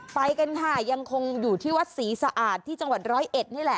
ไปกันค่ะยังคงอยู่ที่วัดศรีสะอาดที่จังหวัดร้อยเอ็ดนี่แหละ